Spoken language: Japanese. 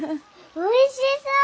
おいしそう！